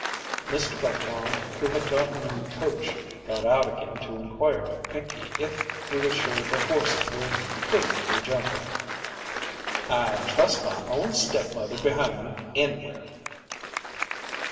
Mr. Budlong, who had gotten in the coach, got out again to inquire of Pinkey if he was sure the horses were perfectly gentle. "I'd trust my own step mother behind 'em anywhere."